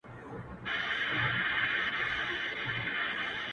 خو بلوړ که مات سي ډیري یې ټوټې وي -